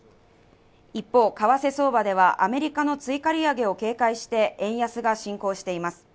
一方、為替相場ではアメリカの追加利上げを警戒して、円安が進行しています。